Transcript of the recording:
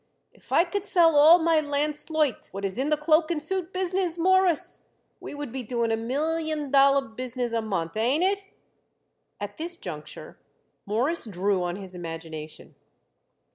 If I could sell all my Landsleute what is in the cloak and suit business, Mawruss, we would be doing a million dollar business a month, ain't it?" At this juncture Morris drew on his imagination.